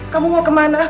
kamu mau kemana